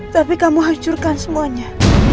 tapi kamu hancurkan semuanya